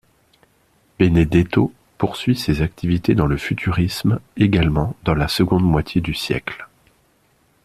Benedetto poursuit ses activités dans le futurisme également dans la seconde moitié du siècle.